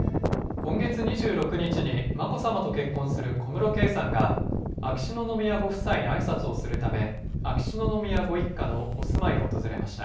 今月２６日に眞子さまと結婚する小室圭さんが秋篠宮ご夫妻にあいさつをするため秋篠宮ご一家のお住まいを訪れました。